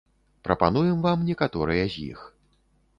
Прапануем вам некаторыя з іх.